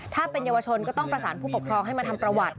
ถ้าเป็นเยาวชนก็ต้องประสานผู้ปกครองให้มาทำประวัติ